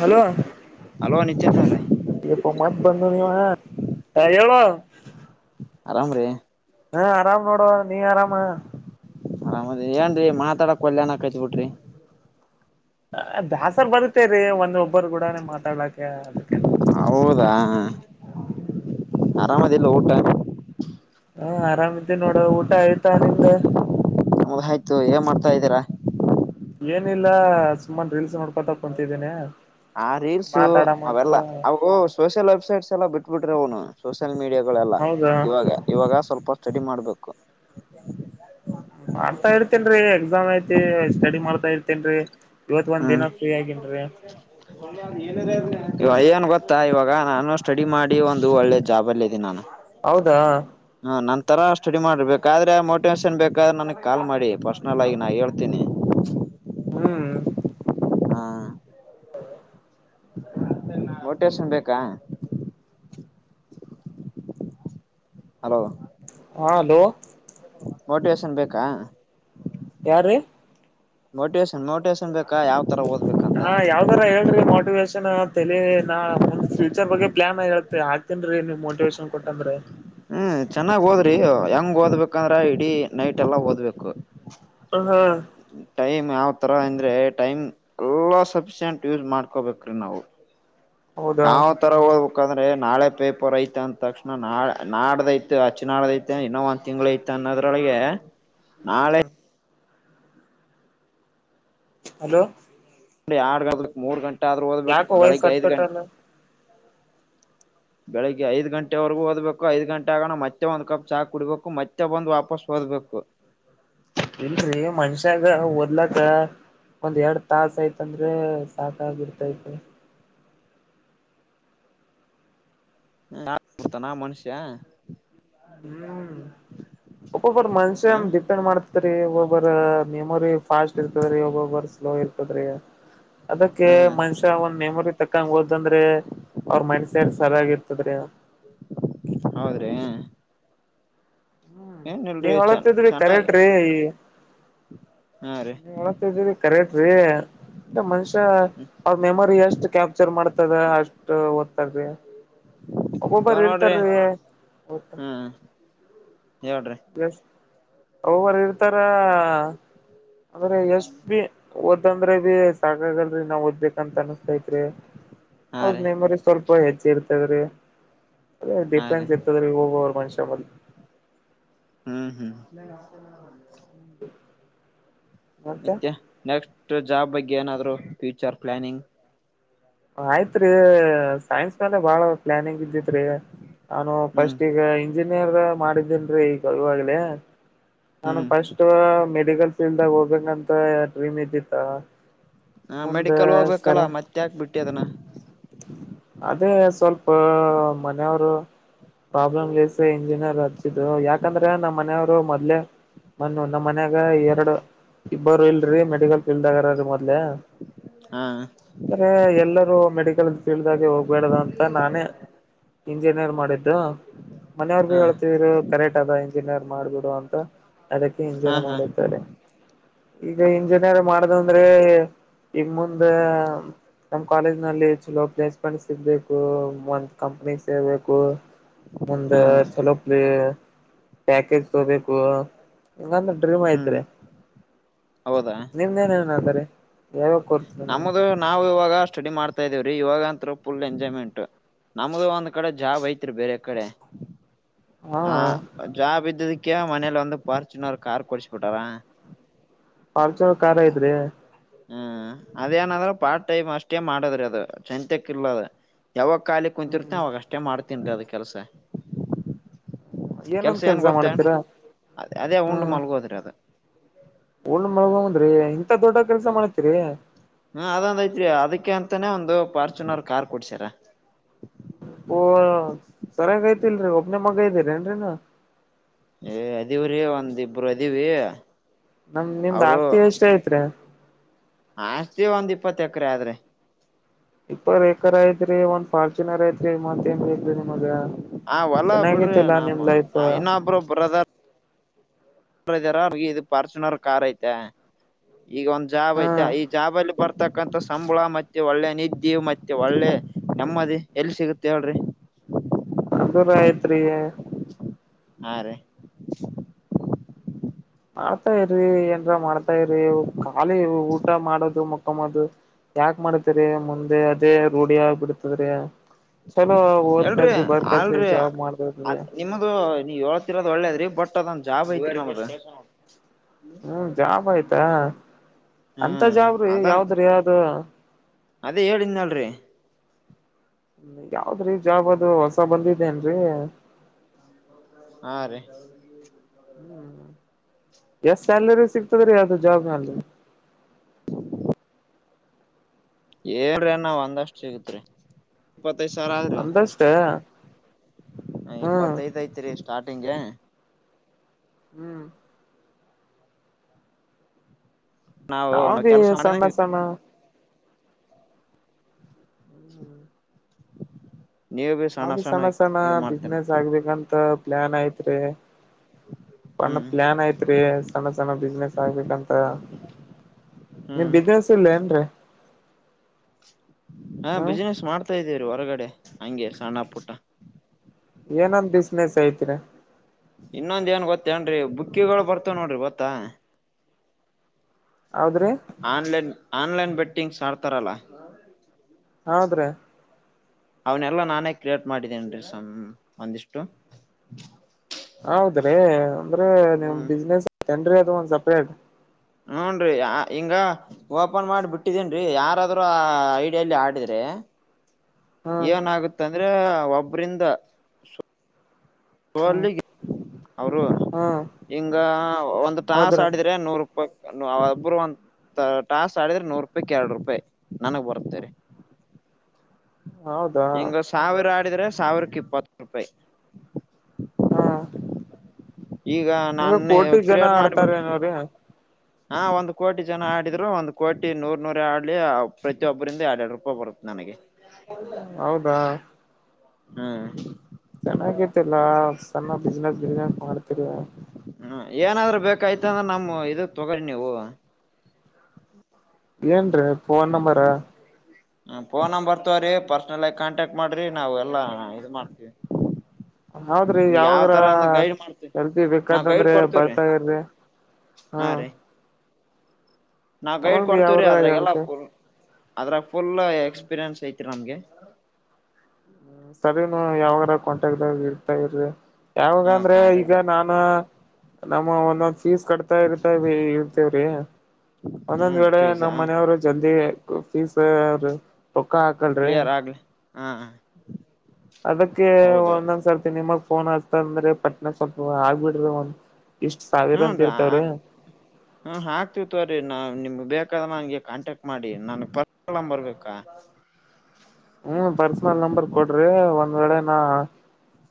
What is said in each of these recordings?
Hello hello ನಿತ್ಯನ್ ಅವ್ರೆ ಯಪ್ಪ ಮತ್ ಬಂದು ನೀವ.... ಹೇಳು ಆರಾಮ್ರೀ ಹಾ ಆರಾಮ್ ನೋಡುವ ನೀ ಆರಾಮ. ಆರಾಮದ ಏನ್ರರಿ ಮಾತಾಡಕ್ಕ ವಲ್ಲ ಅನ್ನ ಕತ್ತೀರಿ. ಬ್ಯಾಸರ್ ಬರುತ್ತೇರಿ ಒಂದ್ ಒಬ್ಬರು ಕೂಡನೇ ಮಾತಾಡ್ಲಾಕ. ಹೌದಾ ಆರಾಮದಿಯಿಲ್ಲ ಊಟ. ಹ ಆರಾಮದಿನಿ ನೋಡ ಊಟ ಆಯ್ತಾ ನಿಮ್ದ. ಹೌದ್ ಆಯ್ತು ಏನ್ ಮಾಡ್ತಾ ಇದ್ದೀರಾ. ಏನಿಲ್ಲ ಸುಮ್ಮನ್ ರೀಲ್ಸ್ ನೋಡ್ಕತಾ ಕುಂತಿದ್ದೇನೆ. ಆ ರೀಲ್ಸು ಅವೆಲ್ಲ ಅವು ಸೋಷಿಯಲ್ ವೆಬ್ಸೈಟ್ಸ್ ಎಲ್ಲ ಬಿಟ್ಬಿಟ್ರಿ ಅವನು. ಸೋಷಿಯಲ್ ಮೀಡಿಯಾಗಳೆಲ್ಲ ಹೌದಾ ಇವಾಗ ಇವಾಗ ಸ್ವಲ್ಪ ಸ್ಟಡಿ ಮಾಡ್ಬೇಕು. ಮಾಡ್ತಾ ಇರ್ತೇನ್ರರಿ ಎಕ್ಸಾಮ್ ಐತಿ ಸ್ಟಡಿ ಮಾಡ್ತಾ ಇರ್ತೇನ್ರರಿ. ಹ್ಮ್ ಇವಾಗ ಯ್ಯನ್ ಗೊತ್ತಾ ಇವಾಗ ನಾನು ಸ್ಟಡಿ ಮಾಡಿ ಒಂದು ಒಳ್ಳೆ ಜಾಬ್ ಅಲ್ಲ ಇದಿದ್ದೀನಿ ನಾನು. ಹೌದಾ ಹ ನನ್ ತರ ಸ್ಟಡಿ ಮಾಡ್ರಬೇಕಾದ್ರೆ ಮೋಟಿವೇಶನ್ ಬೇಕಾದ್ರೆ ನನಗ್ ಕಾಲ್ ಮಾಡಿ ಪರ್ಸನಲ್ ಆಗ ನಾ ಹೇಳ್ತೀನಿ. ಹ್ಮ್ ಹಾ ಹೌ ಮೋಟೇಶನ್ ಬೇಕಾ. ಹಲೋ ಹಾ ಹಲೋ. ಮೋಟಿವೇಶನ್ ಬೇಕಾ. ಯಾರ ರೀ. ಮೋಟಿವೇಶನ್ ಮೋಟಿವೇಶನ್ ಬೇಕಾ ಯಾವ. ಯಾವತಾರ ಓದಬೇಕು ಅಂತಾ. ಹಾ ಯಾವ್ದರ ಹ ಹೇಳಿ. ರೀ ಮೋಟಿವೇಶನ್ ತಲಿ ನಾ ಮುಂದ್ ಫ್ಯೂಚರ್ ಬಗ್ಗೆ ಪ್ಲಾನ್ ಹೇಳ್ತ ಹ ಆಗ್ತನ್ ರೀ ನೀವ್ ಮೋಟಿವೇಶನ್ ಕೊಟ್ಟ ಅಂದ್ರೆ. ಹ್ಮ್ ಚೆನ್ನಾಗ್ ಓದ್ರಿ ಹೆಂಗ್ ಓದ್ಬೇಕಂದ್ರ ಇಡೀ ನೈಟ್ ಎಲ್ಲ ಓದ್ಬೇಕು. ಹಾ ಟೈಮ್ ಯಾವ್ ತರ ಅಂದ್ರೆ ಟೈಮ್ ಎಲ್ಲಾ ಸಫಿಶಿಯಂಟ್ ಯೂಸ್ ಮಾಡ್ಕೋಬೇಕು ನಾವು. ಹೌದಾ ಯಾವ್ತರ ಓದಬೇಕು. ಅಂದ್ರೆ ನಾಳೆ ಪೇಪರ್ ಐತ ಅಂದ ತಕ್ಷಣ ನಾ ನಾಡ್ದೈು ಹಚ್ಚು ನಾಡ್ದಐತೆ ಇನ್ನೊ ಒಂದ್ ತಿಂಗಳ ಐತ್ ಅನ್ನೋದ್ರೊಳಗೆ.... ನಾಳೆ ಹ್ಮ್ ಹಲೋ ಡಿ ಆರ್ಡು ಗಂಟಕ್ಕೆ ಮೂರು ಗಂಟೆ ಆದ್ರೂ ಓದ್ಬೇಕು ಯಾಕೋ ವಯಸ್ ಬೆಳಗ್ಗೆ ಕಟ್ ಐದು ಗಂಟೆ. ಕಟ್ಟಲ್ಲ ಬೆಳಿಗ್ಗೆ ಐದ್ ಗಂಟೆವರ್ಗು ಒದ್ಬೇಕು ಐದ್ ಗಂಟೆಗಣ ಮತ್ತೆ ಒಂದ್ ಕಪ್ ಚಾ ಕುಡಿಬೇಕು ಮತ್ತೆ ಬಂದ್ ವಾಪಸ್ ಓದ್ಬೇಕು. ಇಳ್ರಿ ಮನ್ಷ್ಯಾಗ ಓದ್ಲಕಾ. ಒಂದ್ ಎರಡ್ ತಾಸ್ ಐತಂದ್ರೇ ಸಾಕಾಗಿರ್ತೈತೆ. [unintelligible] ನಾ ಮನುಷ್ಯ. ಹ್ಮ್ ಒಪ್ಪಬ್ಬರ್ ಮನ್ಷ್ಯ ಹ ಡಿಪೆಂಡ್ ಮಾಡ್ ತ್ರಿ ಒಬರಾ ಮೆಮೊರಿ ಫಾಸ್ಟ್ ಇರ್ತದ್ರಿ ಒಬ್ಬೊಬ್ಬರ್ ಸ್ಲೋ ಇರ್ತದ್ರಿ. ಅದಕ್ಕೆ ಹ್ಮ ಮನ್ಷ್ ತಾ ಅವ್ನ್ ಮೆಮೊರಿ ತಕ್ಕಂಗ್ ಹೋದಂದ್ರೆ ಅವ್ರ್ ಮೈಂಡ್ ಸೆಟ್ ಸರಿಯಾಗ್ ಇರ್ತದ್ರಿ. ಹೌದ್ರಿ. ಹ್ಮ್ ಏನ್ ಇಲ್ರಿ ನೀವ್ ಚ ಹೊಳತ್ತಿದ್ರಿ ಚೆನ್ನಾಗಿ ಕರೆಕ್ಟ್ರೀ. ಹಾ ರೀ ನಿ ಹೊಳತ್ತಿದಿದ್ ಕರೆಕ್ಟ್ರೀ [unintelligible] ಮನ್ಷ್ಯ. ಅವ್ರ್ ಮೆಮೊರಿ ಎಷ್ಟ್ ಕ್ಯಾಪ್ಚರ್ ಮಾಡ್ತದ ಅಷ್ಟು ಓದ್ತಾರೀ. ಇವ ಒಬ್ಬೊಬ್ಬರ್ ನೋಡ್ರಿ ಇರ್ತಾರೀ. ಹ್ಮ್ ಹೇಳ್ರಿ. ಎಸ್ ಅವ್ವರ್ ಇರ್ತಾರಾ. ಆದ್ರೆ ಎಷ್ಟ್ ಬಿ ಓದ್ಂದ್ರೆ ಬಿ ಸಾಕಾಗಲ್ರಿ ನಾವ್ ಓದ್ಬೇಕಂತ ಅನಿಸ್ತೈತ್ ತ್ರಿ ಹಾ ಅವ್ರ್ ರೀ ಮೆಮೊರಿ ಸ್ವಲ್ಪಾ ಹೆಚ್ ಇರ್ತದ್ರಿ. ಅದೇ ಹಾ ರೀ ಡಿಫ್ರೆನ್ಸ್ ಇರ್ತದ್ರಿ ಒಬೊಬರ್ ಮನ್ಷ್ಯ ಒಂದ್ ಹ್ಮ್ ಹ್ಮ. [inaudible] ಮೆತ್ಯ ನೆಕ್ಸ್ಟ್ ಜಾಬ್ ಬಗ್ಗೆ ಏನಾದ್ರು ಫ್ಯೂಚರ್ ಪ್ಲಾನಿಂಗ್. ಆಯ್ತ್ರಿ ಸೈನ್ಸ್ ಮೇಲೆ ಬಾಳ ಪ್ಲಾನಿಂಗ್ ಬಿದಿತ್ರಿ. ನಾನು ಹ್ಮ್ ಫಸ್ಟ್ ಈಗ ಇಂಜಿನಿಯರ್ ಮಾಡಿದಿನ್ನ್ರೀ ಈಗ್ [unintelligible] ನಾನು ಹ್ಮ್ ಫಸ್ಟ್ ಮೆಡಿಕಲ್ ಫೀಲ್ಡ್ಆಗ್ ಹೋಗ್ಬೇಕಂತ ಡ್ರೀಮ್ ಇದ್ದಿತ್ತ. ಹಾಂ ಮುಂದ ಮೆಡಿಕಲ್ ಸರ ಹೋಗ್ಬೇಕಲ್ಲ ಮತ್ಯಾಕ್ ಬಿಟ್ಟೆ ಅದುನ. ಅದೇ ಸ್ವಲ್ಪಾ ಮನೆಯವ್ರ್ ಪ್ರಾಬ್ಲಮ್ ಲೆಸ್ ಇಂಜಿನಿಯರ್ ಓದ್ಸಿದ್ದು ಯಾಕಂದ್ರೆ ನಮ್ ಮನೆಯವರ್ ಬ್ರೊ ಮೊದ್ಲೆೇ [unintelligible] ಮನ್ಯಾಗ ಎರಡು. ಇಬ್ಬರ್ ಇಲ್ರಿ ಮೆಡಿಕಲ್ ಫೀಲ್ಡ್ ಅಗಾರ ಮೊದ್ಲೇ. ಹಾಂ ಎ ಎಲ್ಲರೂ ಮೆಡಿಕಲ್ ಫೀಲ್ಡ್ ಅಲಿ ಹೋಗ್ಬೇಡ್ದಂತ ನಾನೇ ಇಂಜಿನಿಯರ್ ಮಾಡಿದ್ದು. ಮನೆಯವ್ರುಗು ಹಾ ಹೇಳ್ತಿದ್ರು ಕರೆಕ್ಟ್ ಅದ ಇಂಜಿನಿಯರ್ ಮಾಡ್ ಗುರು ಅಂತ. ಅದಕ್ಕೆ ಹಾ ಇಂಜಿನಿಯರ್ ಹಾ ಮಾಡುಂತಾರೆ ಈಗ ಇಂಜಿನಿಯರ್ ಮಾಡದ್ ಅಂದ್ರೇ. ಇನ್ ಮುಂದೇ ನಮ್ ಕಾಲೇಜ್ ನಲ್ಲಿ ಚಲೋ ಅಭ್ಯಸ್ ಡ್ ಸಿಗ್ಬೇಕು ಒಂದ್ ಕಂಪನಿ ಸೇರ್ಬೇಕು ಮುಂದ ಹಾ ಚಲೋ ಲೇ ಪ್ಯಾಕೇಜ್ ತಗೊಬೇಕೂ. ಹಂಗಂದ್ರ ಡ್ರೀಮ್ ಹ್ಮ್ ಐತ್ರಿ ಹೌದಾ ನಿಮ್ದ್ ಏನ ಏನಾದಾರೀ ಯಾವ್ ಯಾವ್ ನಮ್ದ್ ನಾವ್ ಈವಾಗ ಸ್ಟಡಿ ಮಾಡ್ತಾ ಇದೀವ್ರೀ ಇವಾಗ ಅಂತ್ರು ಫುಲ್ ಎಂಜಾಯ್ಮೆಂಟ್. ನಮಗು ಒಂದ್ ಕಡೆ ಜಾಬ್ ಐತ್ರಿ ಬೇರೆ ಕಡೆ. ಹಾ ಹಾಂ ಜಾಬ್ ಇದ್ದಿದಿಕ್ಕೆ ಮನೇಲ್ ಒಂದು ಪಾರ್ಚುನರ್ ಕಾರ್ ಕೊಡ್ಸಬಿಟಾರ. ಪಾರ್ಚುನರ್ ಕಾರ್ ಐತ್ರಿ. ಹ್ಮ್ ಅದೇನಂದ್ರೆ ಪಾರ್ಟ್ ಟೈಮ್ ಅಷ್ಟೇ ಮಾಡದ್ರೆ ಅದ್ ಚೆಂತಕ್ ಇಲ್ಲದ ಯಾವಾಗ್ ಕಾಲಿ ಕುಂತಿರ್ತಿತ್ನಿ ಹ್ಮ್ ಅವಾಗ ಅಷ್ಟೇ ಮಾಡ್ತೀನ್ ರಿ ಅದ ಕೆಲ್ಸ. ಏನಂದ ಕೆಲ್ಸ ಏನ್ ಗೊತ್ತೇನ್ ಮಾಡ್ತೀರಾ ಅ ಅದೇ ಉಂಡ್ ಮಲ್ಗೋದ್ರಿ ಅದ. ಲ್ ಮಳಗಂದ್ರಿ ಇಂತ ದೊಡ್ಡ ಕೆಲ್ಸ ಮಾಡತ್ತೀರಿ ಹಾ ಅದೊಂದ್ ಐತ್ ಅದಕ್ಕೆ ಅಂತಾನೇ ಒಂದು ಫಾರ್ಚುನರ್ ಕಾರ್ ಕೊಡ್ಸರ ಓ ಸರಯಾಗ ಐತಿಲ್ರರಿ ಒಬ್ಬನೇ ಮಗ ಇದ್ದೀರ ಏನ್ರೀ ನ ಏ ಅದೀವ್ರೀ ಒಂದ ಇಬ್ರು ಅದೀವಿ ನಮ್ ನಿಮ್ದ್ ಅವರು ಆಸ್ತಿ ಎಷ್ಟ ಐತ್ರಿ ಆಸ್ತಿ ಒಂದ್ ಇಪ್ಪತ್ತು ಎಕರೆ ಆದ್ರೆ ಇಪ್ಪರ್ ಏಕರ್ ಐತ್ರಿ ಒಂದ್ ಫಾರ್ಚುನರ್ ಐತ್ರಿ ಮತ್ತ ಏನ್ ಬೇಕ್ರೀ ನಿಮಗ ಹ ಹೊಲ ಬಿಡ್ರಿ ಚೆನ್ನಾಗೈತಿಲ್ಲಾ ನಾಮ ನಿಮ್ ಲೈಫ್ ಇನ್ನೊಬರು ಬ್ರದರ್ ಇದಾರ ಇ ಫಾರ್ಚುನರ್ ಕಾರ್ ಐತೆ ಈಗ ಒಂದ್ ಜಾಬ ಹಾ ಐತೆ ಈ ಜಾಬ ಅಲ್ಲಿ ಬರ್ ಇತಕ್ಕಂತಥ ಸಂಬಳ ಮತ್ತೆ ಒಳ್ಳೆ ನಿದ್ದೆ ಮತ್ತೆ ಒಳ್ಳೆ ನೆಮ್ಮದಿ ಎಲ್ಲಿ ಸಿಗುತ್ತೆ ಹೇಳ್ರಿ ಅ ಬಿರ ಆಯ್ತ್ರಿ ಹಾ ರೀ ಮಾಡ್ತಾ ಇ್ರ ಏನ್ರ ಮಾಡ್ತಾ ಇ್ರ ಖಾಲಿ ಊಟ ಮಾಡದು ಮುಕ್ಕಮ್ಮದು ಯಾಕ ಮಾಡತೇರಿ ಮುಂದೆ ಅದೇ ರೂಢಿಯ ಬಿಡ್ತದ್ರಿ ಚಲೋ ಓದ್ ಕಸಿ ಬರ್ ಕಸಿ ಜಾಬ್ ಮಾಡತರಿ ನಿಮಗ ನೀ ಏಳ್ತಿರೋದು ಒಳ್ಳೇದ್ರಿ ಬಟ್ ಅದೊಂದ ಜಾಬ್ ಐತಿ ನ ಹ್ಮ್ ಜಾಬ್ ಆಯ್ತಾ ಅಂತ ಹ್ಮ್ ಜಾಬ್ ಅದನ್ ಯಾವದ್ರೀ ಅವದು ಅದೇ ಹೇಳಿದನಲ್ರಿ ಯಾವ್ದ್ರಿ ಜಾಬ್ ಅದು ಹೊಸ ಬಂದಿದ್ದೇನ್ರರಿ ಹಾ ರೀ ಹ್ಮ್ ಎಷ್ಟ್ ಸ್ಯಾಲರಿ ಸಿಗ್ತದ್ರೀ ಯಾವ್ದ ಜಾಬ್ನಲ್ [inaudible] ಏ್ರ ಅ ನ ಒಂದಷ್ಟು ಸಿಗತ್ರಿ ಇಪ್ಪತ್ತೈದ್ ಸಾವಿರ ಆದ್ರಿ ಹ ಹ ಇಪ್ಪತ್ತೈದ ಐತಿರಿ ಸ್ಟಾರ್ಟಿಂಗ್ಗೆ ಹ್ಮ್ ನಾವು ನಾ ನಾವ್ ಭೀ ಕೆಲ್ಸ ಸಣ್ಣ ಮಾಡಿದಂಗ ಸಣ್ಣ ನೀವು ಬಿ ನಾವಿ ಸಣ್ಣ ಸಣ್ಣ ಇದ್ ಮಾಡ್ತೀನ ಬಿಸ್ನೆಸ್ ಆಗ್ಬೇಕಂತ ಪ್ಲಾನ್ ಐತ್ರಿ ಒಣ್ಣ ಹ್ಮ್ ಪ್ಲಾನ್ ಐತ್ರಿ ಸಣ್ಣ ಸಣ್ಣ ಬಿಸ್ನೆಸ್ ಆಗ್ಬೇಕಂತ ನೀನ್ ಹ್ಮ್ ಬಿಸ್ನೆಸ್ ಇಲ್ಲ ಏನ್ರಿ ಹಾ ಹ್ಮ್ ಬಿಸ್ ನನೆಸ್ ಮಾಡ್ತಾ ಇದೀವ್ರರಿ ಹೊರಗಡೆ ಹಂಗೆ ಸಣ್ಣ ಪುಟ್ಟ ಏನೊಂದ್ ಬಿಸ್ಸ್ ಐತಿ ರಾ ಇನ್ನೊಂದ ಏನ್ ಗೊತ್ತೇನ್ರೀ ಬುಕ್ಕಿಗಳು ಬರ್ತಾವ ನೋಡ್ರಿ ಗೊತ್ತಾ ಹೌದ್ರಿ ಆನ್ಲೈನ್ ಆನ್ಲೈನ್ ಬೆಟ್ಟಿಂಗ್ಸ್ ಆಡ್ತಾರಲ್ಲ ಹೌದ್ರಿ ನಮಸ್ಕಾರ ಅವನ್ನಲ್ಲಾ ನಾನೇ ಕ್ರಿಯೇಟ್ ಮಾಡಿದ್ದೇನ್ ರರಿ ಸ ಒಂದಿಷ್ಟು ಹೌದ್ರಿ ಅಂದ್ರೆ ನಿಮ್ ಹ್ಮ್ ಬಿಸ್ನೆಸ್ ಜನ್ ಅದು ಒಂದ್ ಸಪ್ರೇಟ್ ಹೂನ್ರಿ ಆ ಹಿಂಗ ಓಪನ್ ಮಾಡಿ ಬಿಟ್ಟಿದೇನ್ ಯಾರಾದ್ರೂ ಆ ಐಡಿಯಲ್ಲಿ ಆಡಿದ್ರೆ ಹ್ಮ್ ಏನ ಆಗುತ್ತ ಅಂದ್ರೆ ಒಬ್ಬ್ರಿಂದ ಹ್ಮ್ ಅವರು ಹಾ ಹಿಂಗ ಒಂದು ಟಾಸ್ ಹೌದ್ರಿ ಆಡಿದ ನೂರು ರೂಪಾಯ ಒಬ್ಬರು ಒ ಟಾಸ್ ಆಡಿದ್ರೆ ನೂರು ರೂಪಾಯಿ ಎರಡು ರೂಪಾಯಿ ನನಗ್ ಬರ್ತೇರಿ ಹೌದಾ ಹಿಂಗ ಸಾವಿರ ಆಡಿದ್ರೆ ಸಾವಿರಕ್ಕ್ ಇಪ್ಪತ್ತ್ ರೂಪಾಯಿ. ಹಾ ಈಗ ನಾನೇ ಕೋಟಿ ಜನ ಕ್ರಿಯೇಟ್ ಆಡ್ತಾರ ಮಾಡ್ಬಿಟ್ಟೆ ಏನೋರೀ. ಹಾ ಒಂದ್ ಕೋಟಿ ಜನ ಆಡಿದ್ರು ಒಂದು ಕೋಟಿ ನೂರ್ ನೂರೆ ಆಡ್ಲಿ ಪ್ರತಿಯೊಬ್ಬರಿಂದ ಎರಡೆರಡು ರೂಪಾಯಿ ಬರುತ್ತ ನನಗೆ. ಹೌದಾ ಹ್ಮ್ ಚೆನ್ನಾಗೈತಿಲ್ಲಾ ಸಣ್ಣ ಬಿಸ್ನೆಸ್ ಗಿಸ್ನೆಸ್ ಮಾಡ್ತಿರಿ. ಹ್ಮ ಏನಾದ್ರೂ ಬೇಕಾಯ್ತು ಅಂದ್ರೆ ನಮ್ಮ್ ಇದು ತೊಗೊಳ್ಳಿ ನೀವು. ಏನ್ರೀ ಫೋನ್ ನಂಬರ? ಹ ಫೋನ್ ನಂಬರ್ ತೋರಿ ಪರ್ಸ್ನಲ್ ಆಗಿ ಕಾಂಟ್ಯಾಕ್ಟ್ ಮಾಡ್ರಿ ನಾವ್ ಎಲ್ಲ ಇದ್ ಮಾಡ್ತೀವಿ. ಹೌದ್ರಿ ನೀ ಯಾವ್ ಯಾವಾಗರ ತರಂದ ಗೈಡ್ ಮಾಡ್ತೀವಿ ಎಲ್ಪಿ ನಾವ ಗೈಡ್ ಬೇಕಾದಂದ್ರೆ ಕೊಡ್ತೇವ್ರೀ. ಬರ್ತಾ ಇರ್ರಿ ಹಾ ರೀ ನಾವ್ ಗೈಡ್ ಅವಾಗ ಬಿ ಕೊಡ್ತೇವ್ರೀ ಯಾವಾರ ಅದ್ರಾಗೆಲ್ಲ ಹೇಳ್ತೆ ಫುಲ್ ಅದ್ರಾಗ ಫುಲ್ ಎಕ್ಸ್ಪೀರಿಯನ್ಸ್ ಐತ್ರಿ ನಮ್ಗೆ. ಸರಿ ನೀವ್ ಯಾವಾಗ ಕಂಟ್ಯಾಗ್ದಾಗ ಇರ್ತಾ ಇರಿ ಯಾವಾಗ ಹ ಅಂದ್ರೆ ಈಗ ಕಾಂಟ್ರಾಕ್ಟ್ ನಾ ಮ್ಮ ಒಂದೊಂದ್ ಫೀಸ್ ಕಟ್ತಾ ಇರ್ತ ಇರ್ತೇವ್ರಿ. ಹ್ಮ ಒಂದೊಂದ್ ವೇಳೆ ಫೀಸಾ ನಮ್ಮ್ ಮನೆಯವ್ರು ಜಲ್ದಿ ಫೀಸ್ ಅವ್ರು. ಒಕ್ಕಾ ಕ್ಲಿಯರ್ ಆಗ್ಲಿ ಹಾ ಅದಕ್ಕೆ ಹೌದೌದು ಒಂದೊಂದ್ ಸರ್ತಿ ನಿಮಗ್ ಫೋನ್ ಹಚ್ತ ಅಂದ್ರೆ ಪಟ್ನ ಸ್ವಲ್ಪ ಆಗ್ಬಿಡ್ರೆ ಒಂದ್. ಇಷ್ಟ್ ಸಾವಿರ ಹೂಂ ಅಂತ ರ ಆ ಇರ್ತವ್ರಿ ಹ ಹಾಕ್ತಿವ್ ತೋಗೊರಿ ನಾ ನಿಮ್ಗ್ ಬೇಕಾದಂಗೆ ಕಾಂಟ್ಯಾಕ್ಟ್ ಮಾಡಿ ನನ್ ಪರ್ಸನಲ್ನಂಬರ್ಬೇಕಾ? ಹ್ಮ್ ಪರ್ಸನಲ್ ನಂಬರ್ ಕೊಡ್ರಿ ಒಂದ್ ವೇಳೆ ನಾ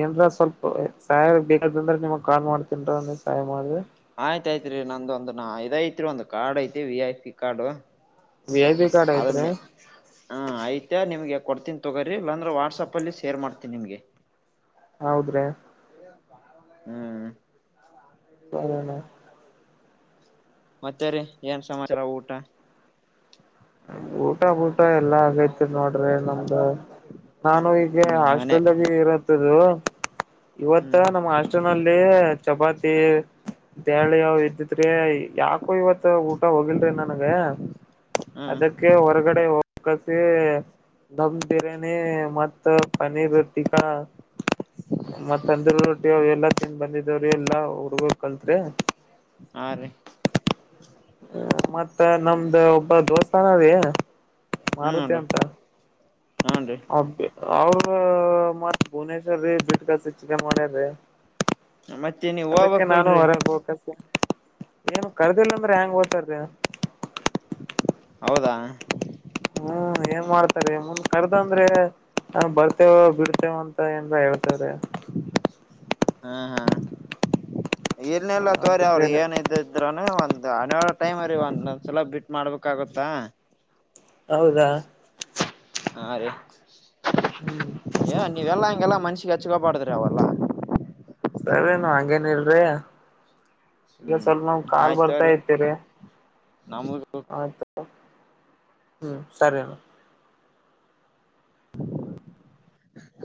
ಏನ್ರ ಸ್ವಲ್ಪ ಸಹಾಯ ಬೇಕಾದಂದ್ರೆ ನಿಮಗ್ ಕಾಲ್ ಮಾಡ್ತನ್ರ ನೀ ಸಹಾಯ ಮಾಡ್ರಿ. ಆಯ್ತಾಯ್ತ್ ರಿ ನಂದ ಒಂದ ನ ಇದೖತ್ರಿ ಒಂದ್ ಕಾರ್ಡ್ ಐತಿ V I P card. V I P card ಐತ್ರಿ? ಹಾ ಐಯ್ತೆ ನಿಮ್ಗೆ ಕೊಡ್ತೀನಿ ತೊಗೋರಿ ಇಲ್ಲಾಂದ್ರೆ ವಾಟ್ಸಾಪಲ್ಲಿ ಶೇರ್ ಮಾಡ್ತೀನಿ ನಿಮ್ಗೆ. ಹೌದ್ರಿ. ಹ್ಮ್ ಅದ [unintelligible] ಮತ್ತರೀ ಏನ್ ಸಮಾಚಾರ ಊಟ? ಊಟ ಗೂಟ ಎಲ್ಲಾ ಆಗೈತಿ. ನೋಡ್ರೀ ನಮ್ದು ನಾನು ಈಗ ಹ್ಮ್ ಮನೆ ಹಾಸ್ಟೇಲ್ಲಗಿ ಇರತ್ತದು. ಹ್ಮ್ ಇವತ್ತು ನಮ್ಮ್ ಹಾಸ್ಟೇನಲ್ಲಿ ಚಪಾತಿ. ಬ್ಯಾಳಿ ಯಾವ್ ಇದ್ದತ್ರಿ ಯಾಕೊ ಇವತ್ ಊಟ ಹೋಗಿಲ್ರಿ ನನ್ಗೆ. ಹ್ಮ್ ಅದಕ್ಕೆ ಹೊರ್ಗಡೆ ಒಪ್ಕತಿ ಧಮ್ ಬಿರ್ಯಾನಿ ಮತ್ತು ಪನೀರ್ಟಿಕಾ. ಮತ್ತ ತಂದೂರ್ ರೊಟ್ಟಿ ಎಲ್ಲಾ ತಿನ್ ಬಂದಿದವ್ರಿ ಎಲ್ಲಾ ಹುಡ್ಗ ಕಲ್ತೇ. ಹಾ ರೀ ಹ ಮತ್ತ ನಮ್ದ ಒಬ್ಬ ದೋಸ್ತಾನ ರೀ. ಹ್ಮೂನ್ರೀ ಹ್ಞೂನ್ರೀ. ಬ ಅವ್ರು ಮತ್ ಭುವನೇಶ್ವರ್ ರೀ ಬಿಟ್ಕ [unintelligible] ಮತ್ತೆ ನೀವ್ ಅದಕ್ಕೆ ನಾನು ಹೋಗ್ಬೇಕಲ್ರಿ ಹೊರಗ್ ಹೋಗ್ ಏನು ಕರ್ದಿಲ್ಲ ಅಂದ್ರೆ ಹ್ಯಾಂಗ್ ಹೋಯ್ತದ್ದಿ. ಹೌದಾ ಹ್ಮ್ ಏನ್ ಮಾಡ್ತಾರೆ ಮುನ್ ಕರ್ದ ಅಂದ್ರೆ ಹಾ ಬರ್ತೆೇವ ಬಿಡ್ತೇವ ಅಂತ ಏನ್ರ ಹೇಳ್ತ್ರ ಹ್ಮ್ ಹ್ಮ್ ಇನೆಲ್ಲ ತತ್ಅವ್ರಿ ಅದಕ್ಕೆೇರೆ ಏನ ಇದ್ದ ಇದ್ರ ಒಂದ್ ಹನ್ನೆರಡು ಟೈಮ ರೀ ಒಂದೊಂದ್ ಸಲ ಬಿಟ್ ಮಾಡ್ಬೇಕಾಗುತ್ತಾ ಹೌದಾ ಹಾ ರೀ ಹ್ಮ್ ಏ ನೀವೆಲ್ಲಾ ಹಂಗೆಲ್ಲಾ ಮನ್ಸಿಗೆ ಅಚ್ಚುಕೋಪಾಡದ್ರಿ ಅವಲ್ಲಾ ಸರಿನು ಹಾಗಂಗೇನ ಇಲ್ರಿ ಈಗ ಹ್ಮ್ ಸ್ವಲ್ಪ ನಾವ್ ಕಾಲ್ ಬರ್ತಾ ಇತಿರಿ ನಮಗೆ ಆಯತ ಹ್ಮ ಸರಿನಾ [unintelligible]